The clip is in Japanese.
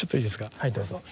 はいどうぞ。